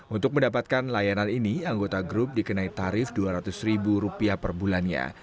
untuk mendapatkan layanan ini anggota grup dikenai tarif rp dua ratus ribu rupiah per bulannya